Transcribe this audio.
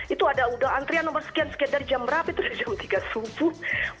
itu ada udah antrian nomor sekian sekian dari jam berapa terus jam tiga subuh